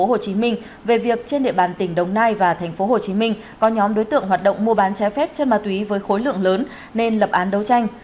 công an thành phố hồ chí minh về việc trên địa bàn tỉnh đồng nai và thành phố hồ chí minh có nhóm đối tượng hoạt động mua bán trái phép chất ma túy với khối lượng lớn nên lập án đấu tranh